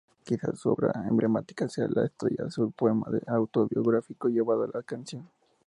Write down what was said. Quizás su obra emblemática sea "La estrella azul", poema autobiográfico llevado a la canción.